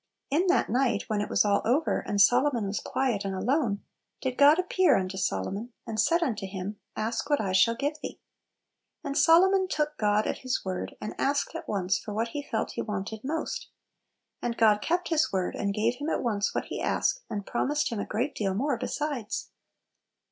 "In that night," when it was all over, and Solo mon was quiet and alone, "did God appear unto Solomon, and said untc him, Ask what I shall give thee." And Solomon took God at His word, and asked at once for what he felt he want ed most And God kept his word, and gave him at once what he asked, and kittle Pillows. 31 promised him a great deal more be sides.